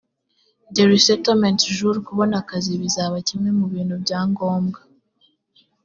the resettlement jourkubona akazi bizaba kimwe mu bintu bya ngombwa